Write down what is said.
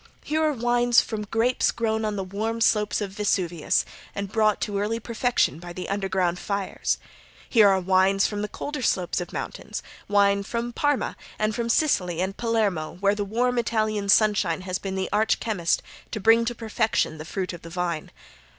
Here are wines from grapes grown on the warm slopes of Vesuvius, and brought to early perfection by the underground fires. Here are wines from the colder slopes of mountains; wines from Parma and from Sicily and Palermo where the warm Italian sunshine has been the arch chemist to bring perfection to the fruit of the vine.